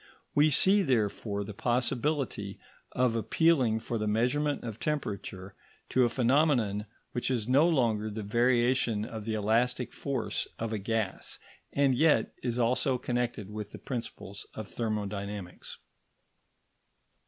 We see, therefore, the possibility of appealing for the measurement of temperature to a phenomenon which is no longer the variation of the elastic force of a gas, and yet is also connected with the principles of thermodynamics.